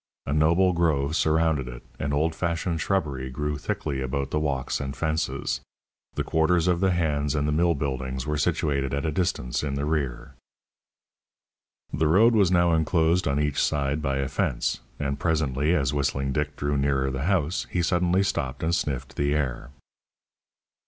A noble grove surrounded it, and old fashioned shrubbery grew thickly about the walks and fences. The quarters of the hands and the mill buildings were situated at a distance in the rear. The road was now enclosed on each side by a fence, and presently, as Whistling Dick drew nearer the house, he suddenly stopped and sniffed the air.